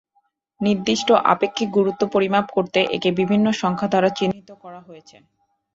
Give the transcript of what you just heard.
নির্দিষ্ট আপেক্ষিক গুরুত্ব পরিমাপ করতে একে বিভিন্ন সংখ্যা দ্বারা চিহ্নিত করা হয়েছে।